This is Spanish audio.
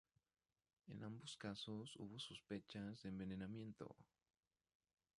En ambos casos, hubo sospechas de envenenamiento.